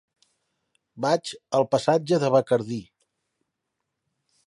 Vaig al passatge de Bacardí.